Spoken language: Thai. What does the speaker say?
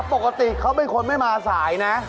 ปกติเขาเป็นคนไม่มาสายนะ